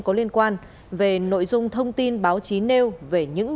có liên quan về nội dung thông tin báo chí nêu